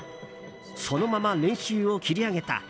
そのまま練習を切り上げた。